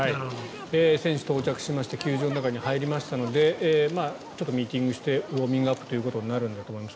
選手、到着しまして球場の中に入りましたのでちょっとミーティングしてウォーミングアップということになるんだと思います。